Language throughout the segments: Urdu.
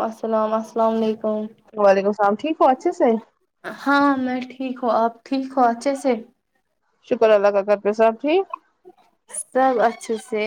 السلام السلام علیکم وچے سر ہاں میں ٹھیک ہوں آپ ٹھیک ہو اچھے سے شکر اللہ کا کر پہ صحب ٹھیک سب اچھے سے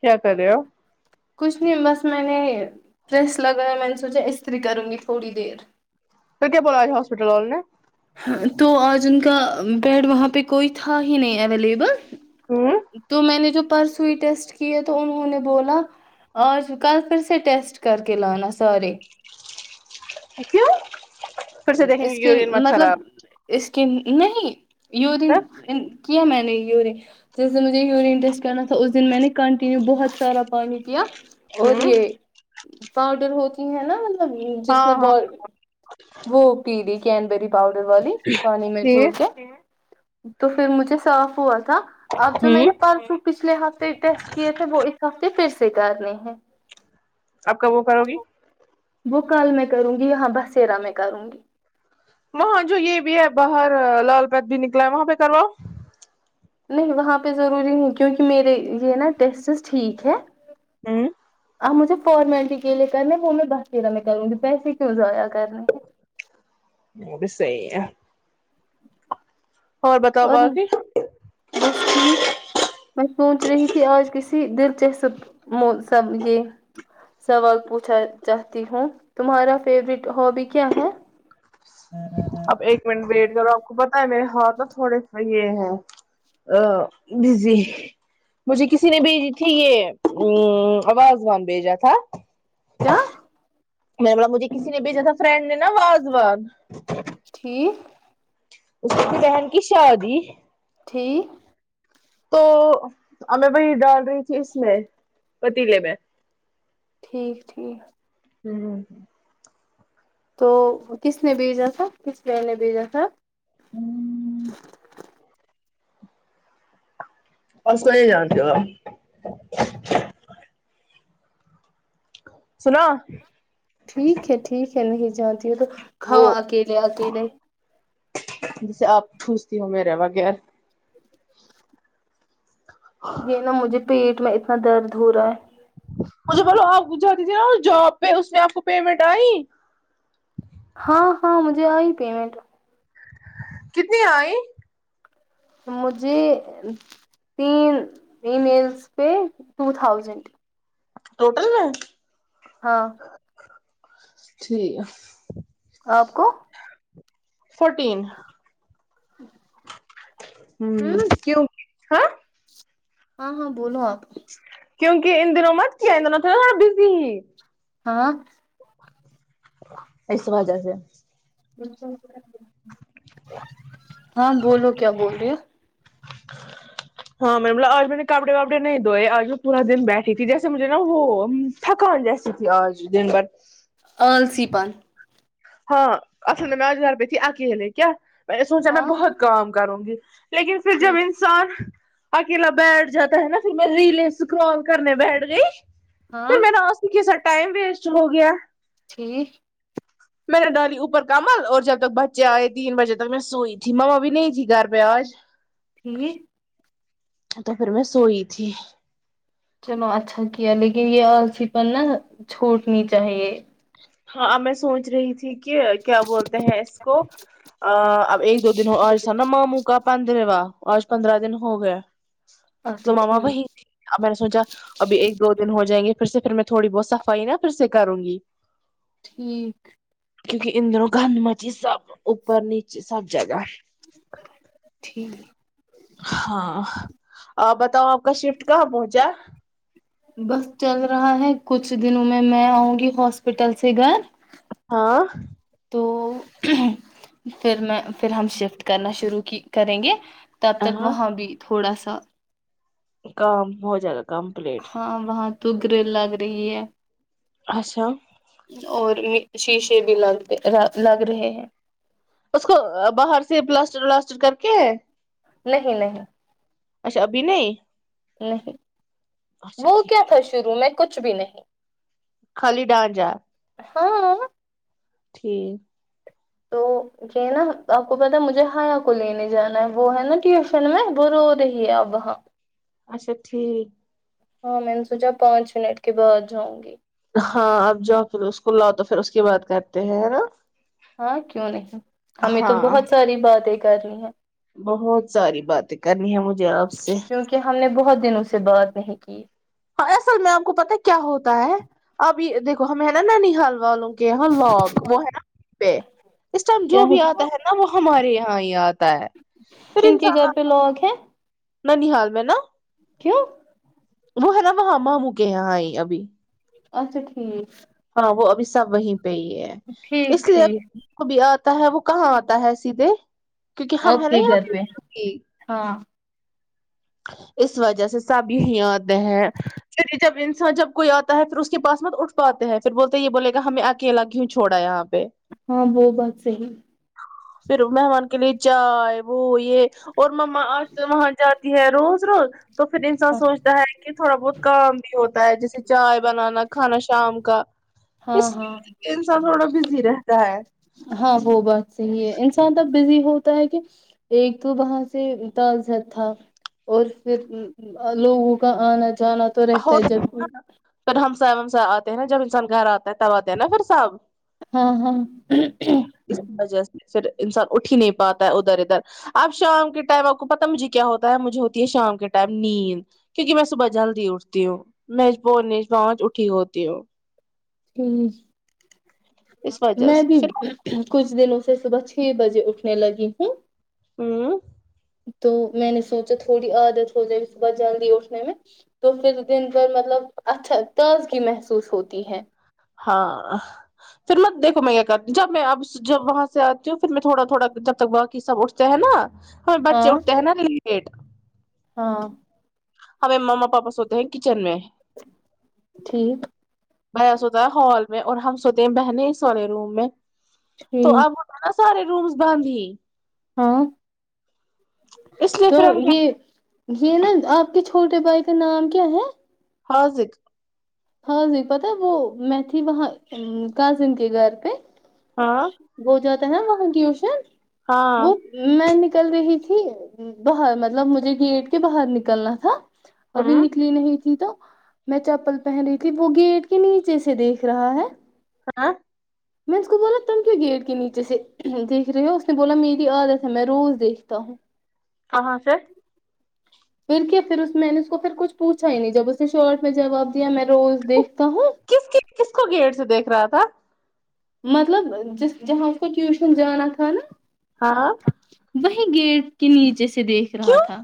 کیا کر رہ ہو کچھ نہیں بس میں نے ڈرس لگا ہے مے سوچا استری کروں گی تھوڑی دیر تو کیا بلا ج ہسپٹل وال نے تو آج ان کا بیڈ وہاں پہ کوئی تھا ہی نہیں اویلیبل ہوں تو میں نے جو پرسوئی ٹیسٹ کیے تو انہوں نے بولا آج کل پھر سے ٹیسٹ کر کے لانا سارے اچو پھر سے دیکھیں گے اس کی مت مطلب خراب اس کی نہیں یہ دن کیا میں نے انٹرسٹ کرنا تھا اس دن میں نے کنٹینیو بہت سارا پانی پیا اور ہوں رہ پاؤڈر ہوتی ہے نا ہاں جس میں ہاں ب وہ پیی کینبری پاؤڈر والی پانی میں کوور ٹھیک کے تو پھر مجھے صاف ہوا تھا اب جو میں ہوں نے پرسوں پچھلے ہفتے ٹیسٹ کیے تھے وہ اس ہفتے پھر سکارنے ہیں آپ کب وہ کرو گی بو کل میں کروں گی یہاں بسیرا میں کروں گی وہاں جو یہ بھی ہے باہر لال پت بھی نکلا ہے وہاں پہ کرواؤ نہیں وہاں پہ ضروری نہیں کیونکہ میرے یہ نا ٹیسٹ ٹھیک ہے ہوں آپ مجھے فارممیلٹی کے لی کرنے ہے وہ میں بس دیرہ میں کروں گی پیسے کیوں ایاد وہ بھی صحی ہے اور بتاؤ بای بس ٹھیک میں سوچ رہی تھی آج کسی دلچسپ سب یہ سوال پوچھا چاہتی ہوں تمہارا فیورٹ ہابی کیا ہے اب ایک منٹ ویٹ کرو آپ خو بت ا میرے ہاتھ ن تھوڑے یہ ہے بزی مجھے کسی نے بھیجی تھی یہ ا آواز وان بھیجا تھا کیا میں نے بو مجھے کسی نے بھیجا تھا فرینڈ نے نا وازوان ٹھیک اس کی بہن کی شادی تٹھیک تو ہمیں وہی ڈال رہی تھی اس میں پتیلے میں ٹھیک ٹھیک ہوں ہ ہ تو کس نے بھیجا تھا کس و نے بھیجا تھا ہوں بس کو یہ جانتے ہو سناو ٹھیک ہے ٹھیک ہے نہیں ج تو کاؤ اکیلے اکیلے [unintelligible] جیسے آپ پوجتی ہو میریرے وغیر [unintelligible] یہ نا مجھے [unintelligible] پیٹ میں اتنا درد ہو رہا ہے [unintelligible] مجھے بولو آپ جا دیجے نا جاب پہ اس نے آپ کو پیمنٹ آئی [unintelligible] ہاں ہاں مجھے آئی پیمنٹ [unintelligible] کتنی آئ [unintelligible] مجھے تین ای میلس پہ ٹو تھاؤزینڈ [unintelligible] ٹوٹل میں [unintelligible] ہاں [unintelligible] ٹھیک ہے [unintelligible] آپ کو [unintelligible] فورٹین [unintelligible] ہی [unintelligible] ہوں کیوں [unintelligible] ہاں [unintelligible] ہاں ہاں بولو آپ [unintelligible] کیونکہ ان دنوں مت کیا دنوں تھا تھوڑا بزی ہی [unintelligible] ہاں [unintelligible] اس وجہ سے [unintelligible] بالکل [unintelligible] ہاں بولو کیا بول رہی ہو [unintelligible] ہاں میں ب آج میں نے کپڑے واپڑے نہیں دھوئے آج میں پورا دن بیٹھی تھی جیسے مجھے نا وہ تھکان جیسی تھی آج دن بھر بند ہاں اصل میں میں ہزارپئے تھی آ کے ہیلے کیا میں نے سوچا میں ہاں بہت کام کروں گی [unintelligible] لیکن پھر جب ٹھیک انسان اکیلا بیٹھ جاتا ہے نا پھر میں ریلیں اسکرال کرنے بیٹھ گئی ہاں پھر میرا اسی کے ساتھ ٹائم ویسٹ ہو گیا ٹھیک میر نے ڈالی اوپر کمل اور جب تک بچے آئے تین بجے تک میں سوئی تھی مما بھی نہیں تھی گھر پہ آج ٹھیک تو پھر میں سوئی تھی چلو اچھا کیا لیکن یہ آرسی پر نا چھوٹنی چاہیے ہاں میں سوچ رہی تھی کہ کیا بولتے ہیں اس کو اب ایک دو دن ہو اورسا نا ماموں کا پندرواں آج پندرہ دن ہو گیا اچھا تو ماما وہی ٹھیک اب میں نے سوچا ابھی ایک دو دن ہو جائیں گے پھر سے پھر میں تھوڑی بہت صفائی نا پھر سے کروں گی ٹھیک کیونکہ اندروں گند مچی سب اوپر نیچے سب جگہ ٹھیک ہاں اور بتاؤ آپ کا شفٹ کہاں پہنچا بس چل رہا ہے کچھ دنوں میں میں آؤں گی ہاسپٹل سے گھر ہاں تو پھر میں پھر ہم شفٹ کرنا شروع کریں گے تب تک ہاں وہاں بھی تھوڑا سا [unintelligible] کام بہت زیادہ کمپلیٹ دگر لگ رہ اچھا اور شیشے بھی لگ لگ رہے ہیں اس کو باہر سے پلاسٹر ولاسٹر کر کے نہیں نہیں اچھا ابھی نہیں نہیں اچھا وہ کیا ٹھیک تھا شروع میں کچھ بھی نہیں خالی ڈان جا ہاں ٹھیک تو کہ ہے نا آپ کو پتا مجھے ہیا کو لینے جانا ہے وہ ہے نا ٹیوشن میں وہ رو رہی ہے اپ وہاں اچھا ٹھیک ہاں میں نے سوچا پانچ منٹ کے بعد جاؤں گی ہاں اب جاؤ پھر اس کو لاؤ تو پھر اس کی بات کرتے ہیں نا ہاں کیوں نہیں ہمیں تو ہاں بہت ساری بات ہے کر رہی ہیں بہت ساری باتیں کرنی ہے مجھے آپ سے کیونکہ ہم نے بہت دنوں سے بعد نہیں کی ہاں اصل میں آپ کو پتا کیا ہوتا ہے اب بھی دیکو ہمیں ہے نا نانی حلوا والوں کہ ہاں لواک وہ ہے نا پے [unintelligible] اس ٹائم جو بھی آتا ہے نا وہ ہمارے یہاں ہی آتے کا [unintelligible] کن کے گھر پہ لوگ ہیں نہ ن حال میں نا کیوں وہ ہے نا وہاں م م کے یہاں ہی ابھی اچھا ٹھیک ہاں وہ ابھی سب وہی پی ہے ٹھیک اس لیے ٹھیک ا بھی آ تا ہے وہ کہاں آتا ہے سیدھے کیونکہ ہم ہے نا اوکے یہاں گھر پہ ہاں اس وجہ سے سب یہی آتے ہیں پھر جب انسان جب کوئی آتا ہے پھر اس کے پاس مت اٹھ پاتے ہیں پھر بولتے یہ بولے گا ہمیں اکیلا کیوں چھوڑا ہے یہاں پہ ہاں وہ بات صحی پھر مہمان کے لیے جائے وہ یہ اور ما آج سے وہاں جات ہے روز روز تو پھر انسان سوچتا ہے کہ تھوڑا بہت کام بھی ہوتا ہے جیسے چائے بنانا کھانا شام کا اس ہاں ہاں انسان تھوڑا بزی رہتا ہے ہاں وہ بات صحیح ہے انسان اب بزی ہوتا ہے کہ ایک تو وہاں سے تزت تھا اور پھر لوگوں کا آنا جانا تو رہتا ہے اور جب پھر آتے ہیں نا جب انسان گ آتا ہے تب آتے ہیں نا پھر صحب ہاں ہاں اس وجہ سے پھر انسان اٹھی ہی نہیں پاتا ہے ادھر ادھر اب شام کے ٹائم آپ کو پتا مجھے کیا ہوتا ہے مجھے ہوتی ہے شام کے ٹائم نیند کیون کہ میں صبح جلدی اٹھتی ہوں میںب پانچ اٹھی ہوتی ہوں ٹھ اس وجہ میں سے بھی پھر کچھ دنوں سے صبح چھ بجے اٹھنے لگی ہوں ہوں تو میں نے سوچا تھوڑی عادت ہو جائے صبح جلدی اٹھنے میں تو پھر دن بھر مطلب اچھا تازگی محسوس ہوتی ہے ہاں پھر میںیکو میں کیا کرتی ہوں جب میں اب جب وہاں سے آتی ہوں پھر میں تھوڑا تھوڑا جب تک باقی سب اٹھتے ہیں نا ہم ہاں بچے اٹھتے ہے نا ر ایکٹ ہاں ہمیں ما پاپا سوتے ہیں کچن میں ٹھیک ب س ہوتا ہے ہال میں اور ہم سوتے ہیں بہنیں س والے روم میں تو ٹھیک سارے رومز بند ہی ہاں اس لیے تو پھر ہم کیا یہ یہ نا آپ کے چھوٹے بھائی کا نام کیا ہے حاضق ہاں جی پتا وہ میں تھی وہاں کزن کے گھر پہ ہاں بہت زیادہ ہے من ٹیوشن ہاں وہ میں نے نکل رہی تھی باہر مطلب مجھے گیٹ کے باہر نکلنا تھا ابھی ہوں نکلی نہیں تھی تو میں چاپل پہن رہی تھی وہ گیٹ کے نیچے سے دیکھ رہا ہے ہاں میں اس کو بولا تم کیوں گیٹ کے نیچے سے دیکھ رہے ہو اس نے بولا میری عادت ہے میں روز دیکھتا ہوں کہاں سے پھر کیا پھر اس میں نے اس کو پھر کچھ پوچا ہی نہیں جب اس نے شارٹ میں جواب دیا میں روز دیکھتا ہوں کس ک کس کو گیٹ سے دیکھ رہا تھا مطلب جس جہاز ک ٹیوشن جانا تھا نا ہاں وہی گیٹ کے نیچے سے سے دیکھ رہا کیوں تھا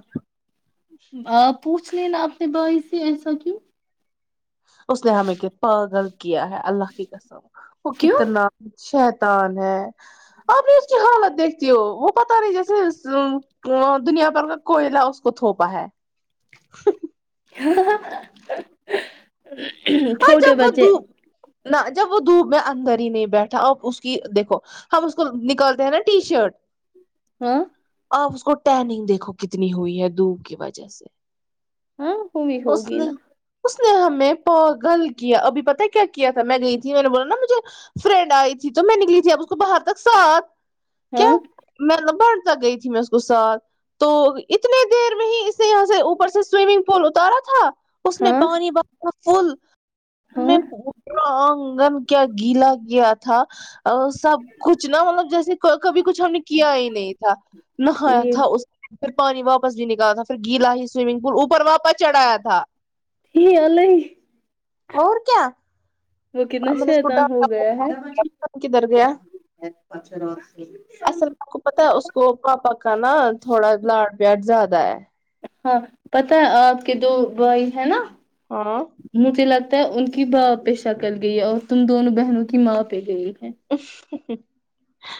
آ پوچھ لینا اپنے بھائی سے ایسا کیوں اس نے ہمیں کیا پاگل کیا ہے اللہ کی قسم وہ کیوں کتنا شید ہے آپ نے اس کی حالت دیکھتی ہو وہ پتا نہیں جیسے دنیا بھر کا کوئلہ اس کو تھوپا ہے ہ [inaudible] ہاں چھوٹے جب وہ بچے دھوپ نہ جب وہ دھوپ میں اندر ہی نہیں بیٹھا اور اس کی دیکھو ہم اس کو نکالتے ہیں نا ٹی شرٹ ہاں آپ اس کو ٹہینگ دیکھو کتنی ہوئی ہے دوپ کی وجہ سے ہاں ہووئی ہوگین سے ہمیں پوگ گل کیا ابھی پتہ کیا کیا تھا میں گئی تھی میں نے بولا نا مجھے فرینڈ آئی تھی تو میں نکلی تھی اب اس کو باہر تک ساتھ کیا ہاں میں لبا تک گئی تھی میں اس کو ساتھ تو اتنی دیر میں ہی اسے یہاں سے اوپر سے سوئمنگ پول اتارا تھا اس میں ہاں پانی با فول ان میں ہاں پورا آنگن کیا گیلا کیا تھا تو سب کچھ نا مطلب جیسے کبھی کچھ ہم نے کیا ہی نہیں تھا نہایا ٹھیک تھا اس پھر پانی واپس بھی نکالا تھا پھر گیلا ہی سوئمنگ پول اوپر واپس پچڑھایا تھا یہ اللہ اور کیا وہ کتنا میں نے اس کو شیطان ہو گیا ڈانٹا ہے کدھر گیا اسکوپا پ کاا نا تھوڑا لاڈ پیاٹ زیادہ ہے ہاں پتا ہے آپ کے دو بھائی ہے نا ہاں م چ ل ان کی با پہ شکل گئی اور تم دونوں بہنوں کی ماں پہ گئی ہے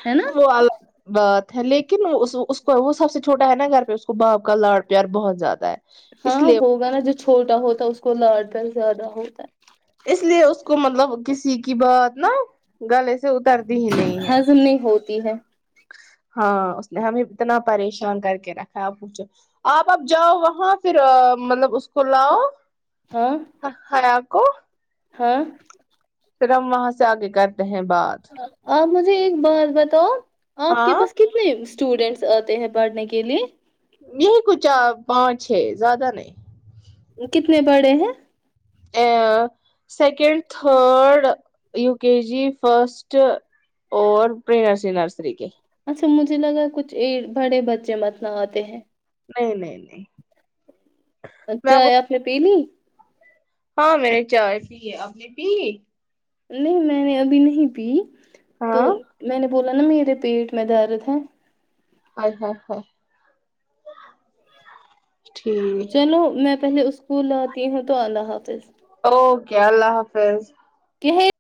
ہے نا وہ ب لیکن اس کو وہ سب سے چھوٹا ہے نا گھر پہ اس کو باپ کا لاڑ پیار بہت زیادہ ہے اس ہاں لیے ہوگا نا جو چھوٹا ہوتا اس کو لاٹ کر زیادہ ہوتا ہے اس لیے اس کو مطلب کسی کی بات نا گل سے اترتی ہی نہیں ہے ہضم نہیں ہوتی ہے ہاں اس نے ہمیں اتنا پریشان کر کے رکھا ہے آ پوچھو آپ اب جاؤ وہاں پھر مطلب اس کو لاؤ ہاں ہ ہراب کو ہاں پھر ہم وہاں سے آگے کرتے اہباد ٹھیک بات بتاؤ آپ کے پاس کتنے اسٹوڈینٹس آتے ہیں پڑھنے کے لیے یہی کچھ پانچ ہے زیادہ نہیں کتنے بڑے ہیں ا second third U K G first اور پری نرسری نرسری کے مجھے لگا کچھ بڑے بچے متنا آتے ہیں نہیں نہیں نہیں چائے اپ نے پیلی ہاں میرے چائے پی اپنی پی نہیں میں نے ابھی نہیں پی تو ہاں میں نے بولا نا میرے پیٹ میں درد ہے ا ہ ہاں چلو میں پہلے اس بھولاتی ہوں تو اللہ حافظ کیا اللہ حافظ کہ